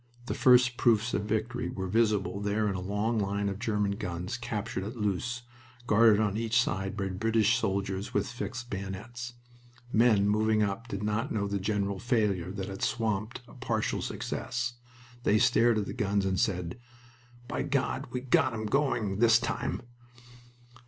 The first proofs of victory were visible there in a long line of German guns captured at Loos, guarded on each side by British soldiers with fixed bayonets. Men moving up did not know the general failure that had swamped a partial success. They stared at the guns and said, "By God we've got 'em going this time!"